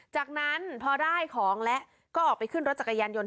จากนั้นพอได้ของแล้วก็ออกไปขึ้นรถจักรยานยนต